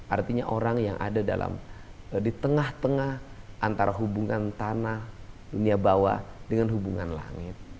artinya orang yang ada dalam di tengah tengah antara hubungan tanah dunia bawah dengan hubungan langit